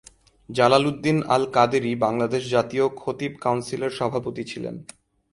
জালাল উদ্দিন আল কাদেরী বাংলাদেশ জাতীয় খতিব কাউন্সিলের সভাপতি ছিলেন।